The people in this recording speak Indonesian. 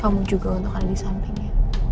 kamu juga untuk ada di sampingnya